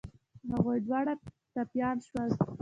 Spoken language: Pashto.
هغوی دواړه ټپيان شول.